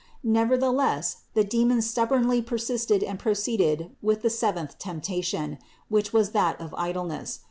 353. Nevertheless the demons stubbornly persisted and proceeded with the seventh temptation, which was that of idleness.